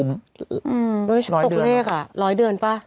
อืมตกเลขอ่ะ๑๐๐เดือนป่ะ